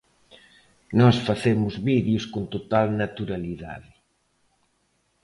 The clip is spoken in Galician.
Nós facemos vídeos con total naturalidade.